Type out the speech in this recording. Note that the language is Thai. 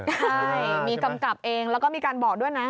ใช่มีกำกับเองแล้วก็มีการบอกด้วยนะ